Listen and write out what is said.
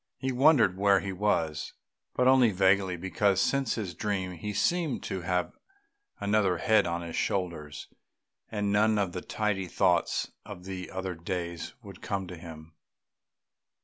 He wondered where he was, but only vaguely, because since his dream he seemed to have another head on his shoulders, and none of the tidy thoughts of other days would come to him.